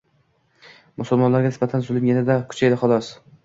Musulmonlarga nisbatan zulm yanada kuchayadi, xolos